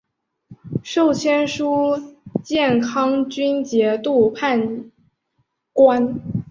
授签书建康军节度判官。